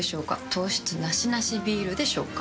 糖質ナシナシビールでしょうか？